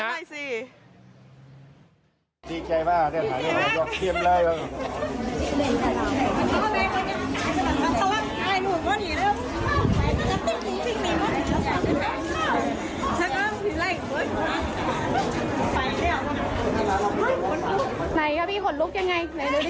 ไหนครับพี่ขนลุกยังไงไหนดูดิ